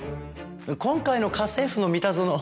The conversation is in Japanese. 今回の『家政夫のミタゾノ』